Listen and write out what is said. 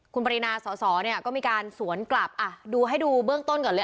คุณปรินาสอสอเนี่ยก็มีการสวนกลับอ่ะดูให้ดูเบื้องต้นก่อนเลย